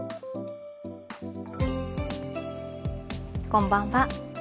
こんばんは。